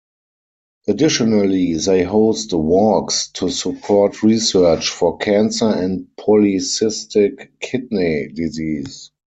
Additionally, they host walks to support research for cancer and polycystic kidney disease.